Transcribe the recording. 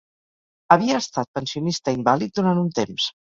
Havia estat pensionista invàlid durant un temps.